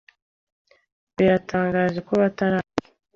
Biratangaje kuba ataraza.